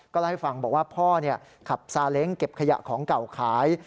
เล่าให้ฟังบอกว่าพ่อขับซาเล้งเก็บขยะของเก่าขาย